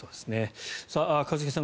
一茂さん